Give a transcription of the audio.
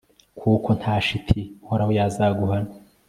kuko, nta shiti, uhoraho yazaguhana